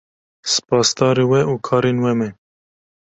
Spasdarê we û karên we me.